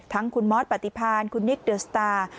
ทั้งคุณมอสปฏิพานคุณนิกเดอร์สตาร์